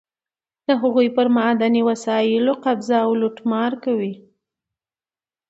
د هغوی پر معدني وسایلو قبضه او لوټمار کوي.